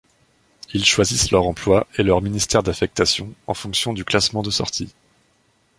Ils choisissent leur emploi et leur ministère d'affectation en fonction du classement de sortie.